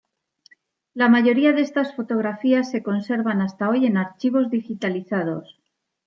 La mayoría de estas fotografías se conservan hasta hoy en archivos digitalizados.